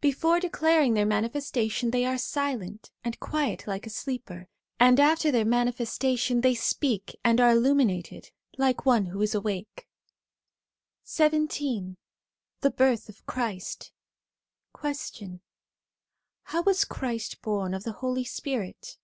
Before declaring their manifestation, they are silent and quiet like a sleeper, and after their manifestation, they speak and are illuminated, like one who is awake. XVII THE BIRTH OF CHRIST Question. How was Christ born of the Holy Spirit